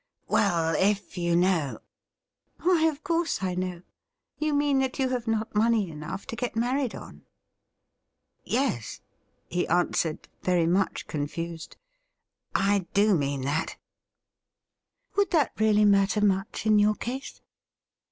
' Well, if you know ''' Why, of course I know. You mean that you have not money enough to get married on.' ' Yes,' he answered, very much confused ;' I do mean that.' 80 THE RIDDLE RING ' Would that really matter much in your case